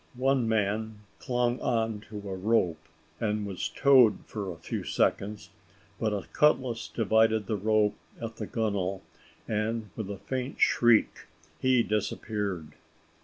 One man clung on to a rope, and was towed for a few seconds, but a cutlass divided the rope at the gunwale, and with a faint shriek he disappeared.